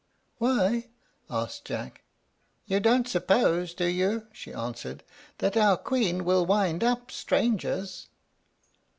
"Why?" asked Jack. "You don't suppose, do you," she answered, "that our Queen will wind up strangers?"